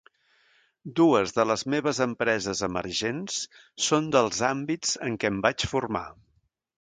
Dues de les meves empreses emergents són dels àmbits en què em vaig formar.